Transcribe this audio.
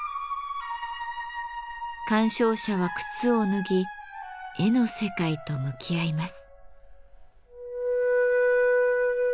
鑑賞者は靴を脱ぎ絵の世界と向き合います。